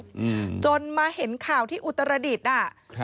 อืมจนมาเห็นข่าวที่อุตรดิษฐ์อ่ะครับ